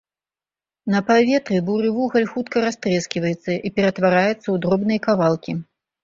На паветры буры вугаль хутка растрэскваецца і ператвараецца ў дробныя кавалкі.